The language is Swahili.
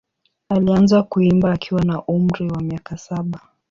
Alianza kuimba akiwa na umri wa miaka saba.